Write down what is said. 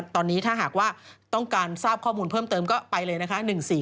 ตอนนี้ถ้าหากว่าต้องการทราบข้อมูลเพิ่มเติมก็ไปเลยนะคะ